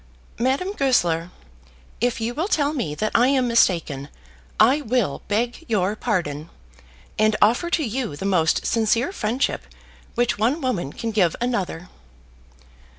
"Madame Goesler, if you will tell me that I am mistaken, I will beg your pardon, and offer to you the most sincere friendship which one woman can give another."